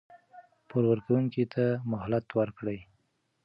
پور ورکوونکي ته مهلت ورکړئ.